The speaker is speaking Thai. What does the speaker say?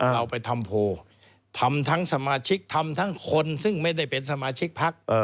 เราไปทำโพลทำทั้งสมาชิกทำทั้งคนซึ่งไม่ได้เป็นสมาชิกพัก